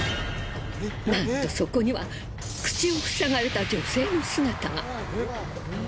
なんとそこには口を塞がれた女性の姿が。